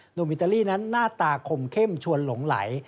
อิตาลีนั้นหน้าตาคมเข้มชวนหลงไหล